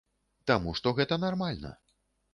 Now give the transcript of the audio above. Таму што гэта нармальна.